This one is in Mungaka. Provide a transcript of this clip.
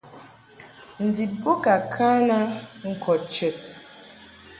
Ndib bo ka kan a ŋkɔd chəd.